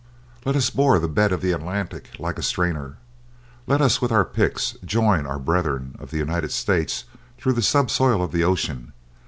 Let us bore the bed of the Atlantic like a strainer; let us with our picks join our brethren of the United States through the subsoil of the ocean!